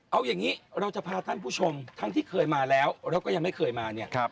เอาอย่างนี้เราจะพาท่านผู้ชมทั้งที่เคยมาแล้วแล้วก็ยังไม่เคยมาเนี่ย